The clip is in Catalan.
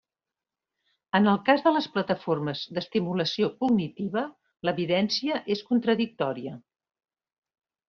En el cas de les plataformes d'estimulació cognitiva, l'evidència és contradictòria.